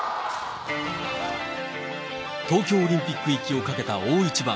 東京オリンピック行きをかけた大一番。